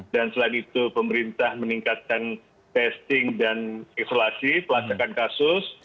dan selain itu pemerintah meningkatkan testing dan isolasi pelacakan kasus